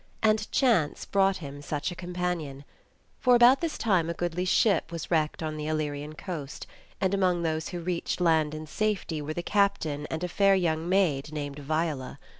And chance brought him such a companion. For about this time a goodly ship was wrecked on the Illyrian coast, and among those who reached land in safety were the Captain and a fair young maid, named Viola.